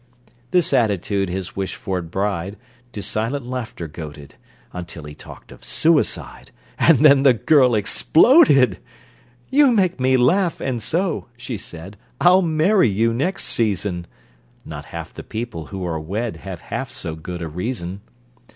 This attitude his wished for bride To silent laughter goaded, Until he talked of suicide, And then the girl exploded! "You make me laugh, and so," she said, "I'll marry you next season." (Not half the people who are wed Have half so good a reason!)